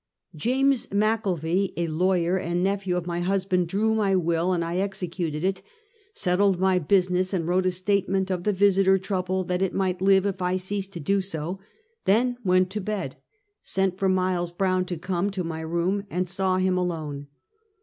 James McKelvey, a lawyer, and nephew of my hus band, drew my will and I executed it, settled my busi ness and wrote a statement of the Yisitei' trouble that it might live if I ceased to do so, then went to bed, sent for Miles Brown to come to my room, and saw him alone.